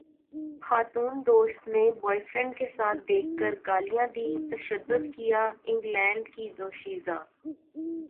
خاتون دوست نے بوائے فرینڈ کے ساتھ دیکھ کر گالیاں دیں تشدد کیا انگلینڈ کی دوشیزہ